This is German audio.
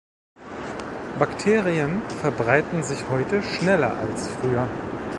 Bakterien verbreiten sich heute schneller als früher.